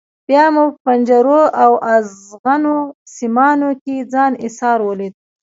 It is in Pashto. بیا مو په پنجرو او ازغنو سیمانو کې ځان ایسار ولید.